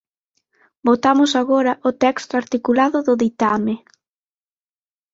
Votamos agora o texto articulado do ditame.